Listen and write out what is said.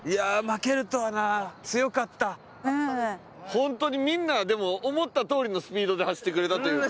本当にみんなでも思ったとおりのスピードで走ってくれたというか。